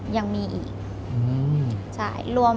ยังมีอีก